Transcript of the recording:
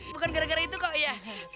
bukan gara gara itu kok ya